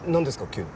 急に。